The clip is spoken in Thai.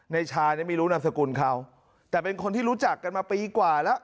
ในชาเนี่ยไม่รู้นามสกุลเขาแต่เป็นคนที่รู้จักกันมาปีกว่าแล้ว